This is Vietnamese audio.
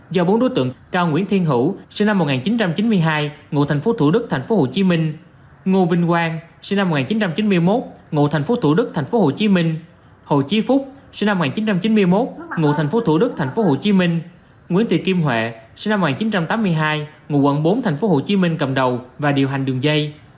do bốn đối tượng cao nguyễn thiên hữu sinh năm một nghìn chín trăm chín mươi hai ngụ thành phố thủ đức tp hcm ngô vinh quang sinh năm một nghìn chín trăm chín mươi một ngụ thành phố thủ đức tp hcm hồ chí phúc sinh năm một nghìn chín trăm chín mươi một ngụ thành phố thủ đức tp hcm nguyễn tị kim huệ sinh năm một nghìn chín trăm tám mươi hai ngụ quận bốn tp hcm cầm đầu và điều hành đường dây